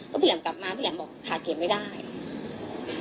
ก็พี่แหลมกลับมาพี่แหลมบอกถ่ายเก๋ไม่ได้